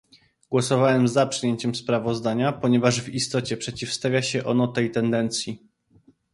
Głosowałem za przyjęciem sprawozdania, ponieważ w istocie przeciwstawia się ono tej tendencji